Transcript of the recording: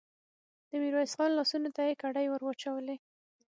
د ميرويس خان لاسونو ته يې کړۍ ور واچولې.